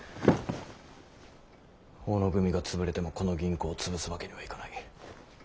小野組が潰れてもこの銀行を潰すわけにはいかない。